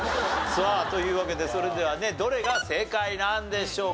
さあというわけでそれではねどれが正解なんでしょうか？